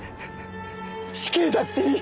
死刑だっていい。